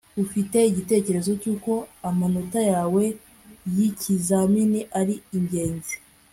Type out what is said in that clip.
ufite igitekerezo cyuko amanota yawe yikizamini ari ingenzi